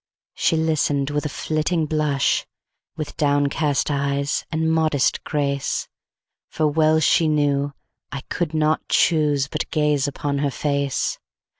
She listen'd with a flitting blush, With downcast eyes and modest grace; For well she knew, I could not chooseBut gaze upon her face.